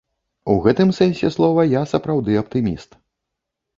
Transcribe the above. У гэтым сэнсе слова я сапраўды аптыміст.